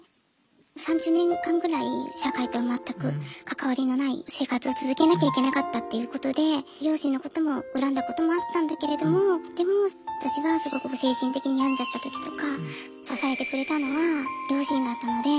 ３０年間ぐらい社会とは全く関わりのない生活を続けなきゃいけなかったっていうことで両親のことも恨んだこともあったんだけれどもでも私がすごく精神的に病んじゃった時とか支えてくれたのは両親だったので。